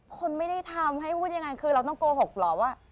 คนไม่ได้ทำให้พูดยังไงคือเราต้องโกหกเหรอว่า